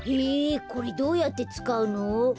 へえこれどうやってつかうの？